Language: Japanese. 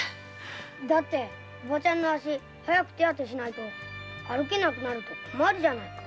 だっておばちゃんの足早く手当てしないと歩けなくなると困るじゃないか。